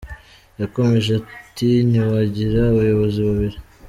Yakomeje ati Ntiwagira abayobozi babiri.